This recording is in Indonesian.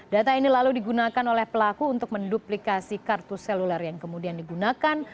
data ini lalu digunakan oleh pelaku untuk menduplikasi kartu seluler yang kemudian digunakan